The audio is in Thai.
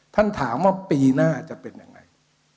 ท่านถามว่าปีหน้าจะเป็นอย่างไร